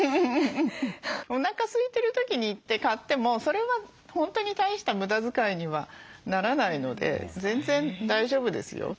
おなかすいてる時に行って買ってもそれは本当に大した無駄遣いにはならないので全然大丈夫ですよ。